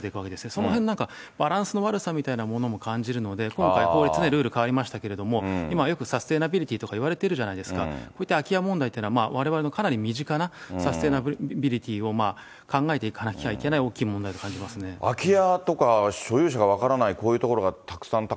そのへん、何かバランスの悪さみたいなを感じるので、今回法律でルール変わりましたけど、今、サスティナビリティーとかいわれてるじゃないですか、こういった空き家問題というのはわれわれのかなり身近なサステナビリティーを考えていかなければいけない大きい問題だと感じます空き家とか所有者が分からない